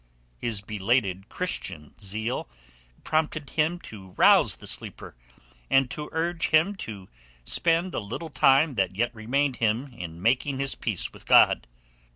His belated Christian zeal prompted him to rouse the sleeper and to urge him to spend the little time that yet remained him in making his peace with God.